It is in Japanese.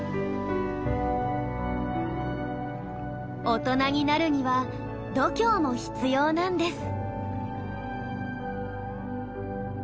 大人になるには度胸も必要なんです。